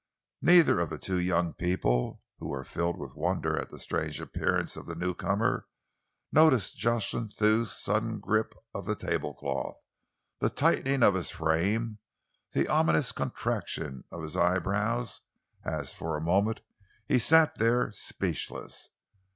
Neither of the two young people, who were filled with wonder at the strange appearance of the newcomer, noticed Jocelyn Thew's sudden grip of the tablecloth, the tightening of his frame, the ominous contraction of his eyebrows as for a moment he sat there speechless.